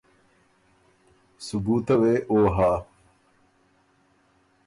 ثبوته وې او هۀ